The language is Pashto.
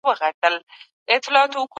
حکومت باید د مظلومانو ملاتړ وکړي.